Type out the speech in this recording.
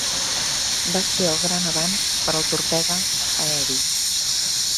Va ser el gran avanç per al torpede aeri.